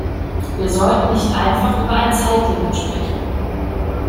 Wir sollten nicht einfach über ein Zeitlimit sprechen.